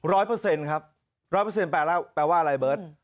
เปอร์เซ็นต์ครับร้อยเปอร์เซ็นแปลแล้วแปลว่าอะไรเบิร์ต